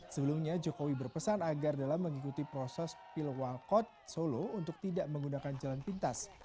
sebelumnya jokowi berpesan agar dalam mengikuti proses pilwakot solo untuk tidak menggunakan jalan pintas